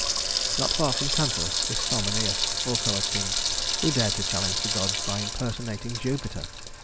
Not far from Tantalus is Salmoneus, also a king, who dared to challenge the gods by impersonating Jupiter.